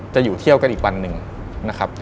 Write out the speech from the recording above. จะอยู่เที่ยวกันอีกวันหนึ่งนะครับ